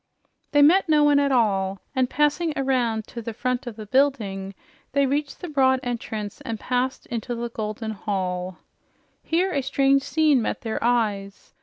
They met no one at all, and passing around to the front of the building, they reached the broad entrance and passed into the golden hall. Here a strange scene met their eyes.